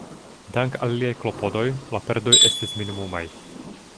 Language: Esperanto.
Dank'al liaj klopodoj, la perdoj estis minimumaj.